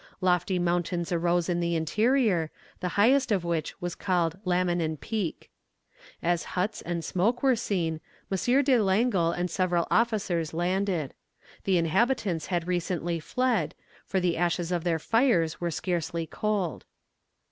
Lofty mountains arose in the interior, the highest of which was called Lamanon peak. As huts and smoke were seen, M. de Langle and several officers landed. The inhabitants had recently fled, for the ashes of their fires were scarcely cold.